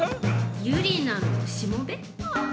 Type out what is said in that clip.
ユリナのしもべ？